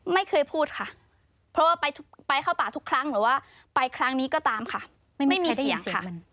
ไม่เคยพูดค่ะเพราะว่าไปเข้าป่าทุกครั้งหรือว่าไปครั้งนี้ก็ตามค่ะไม่มีเสียงค่ะ